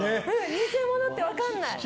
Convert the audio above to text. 偽物って分からない！